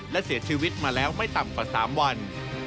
และเสียชีวิตมาแล้วไม่ต่ำกว่า๓วัน